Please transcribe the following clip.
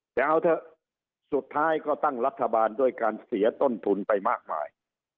แต่เอาเถอะสุดท้ายก็ตั้งรัฐบาลด้วยการเสียต้นทุนไปมากมาย